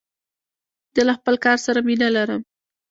زه له خپل کار سره مینه لرم.